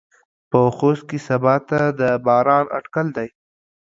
په خوست کې سباته د باران اټکل دى.